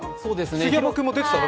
杉山君も出てたの？